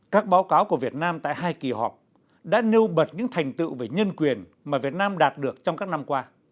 các báo cáo của việt nam tại hai kỳ họp đã nêu bật những thành tựu về nhân quyền mà việt nam đạt được trong các năm qua